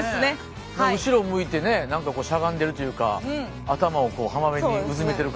後ろ向いてねえなんかこうしゃがんでるというか頭をこう浜辺にうずめてる感じが。